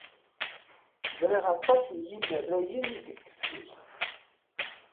Ẓriɣ aṭas n yimerrayen deg teftist.